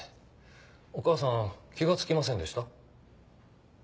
お母さん気が付きませんでした？